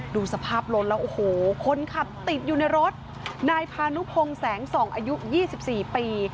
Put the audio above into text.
ดูสภาพรถแล้วโอ้โหคนขับติดอยู่ในรถนายพานุพงศ์แสงส่องอายุ๒๔ปี